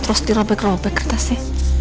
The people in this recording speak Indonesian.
terus dirobek robek kertasnya